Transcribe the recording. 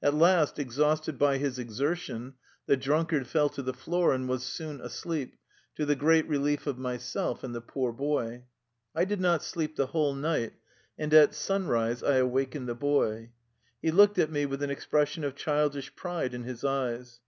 At last, exhausted by his exertion, the drunkard fell to the floor and was soon asleep, to the great relief of myself and the poor boy. I did not sleep the whole night, and at sunrise I awakened the boy. He looked at me with an expression of childish pride in his eyes.